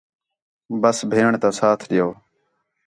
بس ہِیݨیں تا ساتھ ݙیؤ